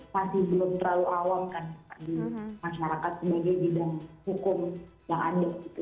masih belum terlalu awam kan di masyarakat sebagai bidang hukum yang ada gitu